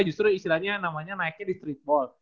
justru istilahnya namanya naiknya di streetball